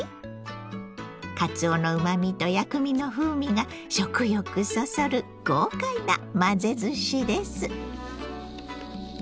かつおのうまみと薬味の風味が食欲そそる豪快な混ぜずしです。